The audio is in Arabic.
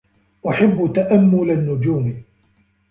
أحبّ تأمّل النّجوم.